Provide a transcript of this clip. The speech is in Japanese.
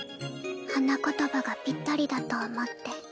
花言葉がぴったりだと思って。